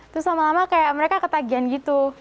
terus lama lama kayak mereka ketagihan gitu